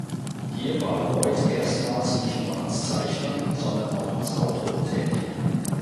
Hier war Lloyd erstmals nicht nur als Zeichner, sondern auch als Autor tätig.